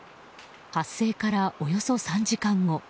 発生から、およそ３時間後。